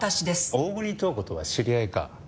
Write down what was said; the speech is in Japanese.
大國塔子とは知り合いか？